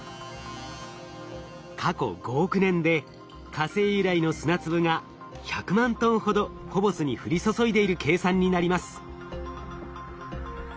過去５億年で火星由来の砂粒が１００万トンほどフォボスに降り注いでいる計算になります。